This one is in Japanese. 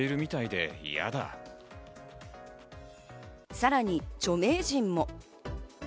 さらに著名人も。